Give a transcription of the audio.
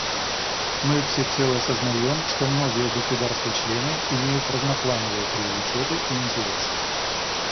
Мы всецело сознаем, что многие государства-члены имеют разноплановые приоритеты и интересы.